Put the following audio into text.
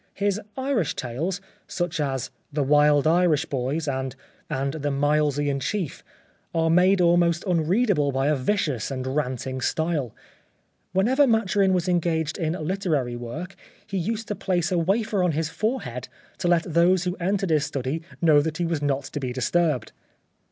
His Irish tales, such as ' The Wild Irish Boys,' and ' The Milesian Chief,' are made almost un readable by a vicious and ranting style. When ever Maturin was engaged in literary work he used to place a wafer on his forehead to let those who entered his study know that he was not to be disturbed.